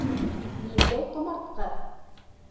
Ниндәй ҡомартҡы?